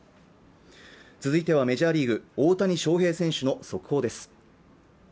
続いてはメジャーリーグ大谷翔平選手の速報です